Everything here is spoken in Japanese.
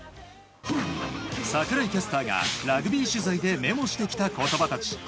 櫻井キャスターがラグビー取材でメモしてきた言葉たち。